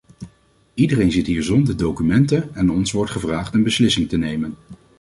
Iedereen zit hier zonder documenten en ons wordt gevraagd een beslissing te nemen.